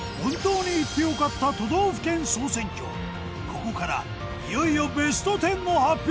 ここからいよいよＢＥＳＴ１０の発表。